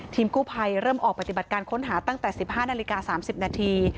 กู้ภัยเริ่มออกปฏิบัติการค้นหาตั้งแต่๑๕นาฬิกา๓๐นาที